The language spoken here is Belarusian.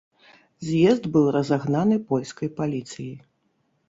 З'езд быў разагнаны польскай паліцыяй.